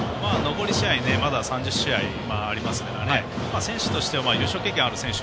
残り試合がまだ３０試合ありますから選手としては優勝経験がある選手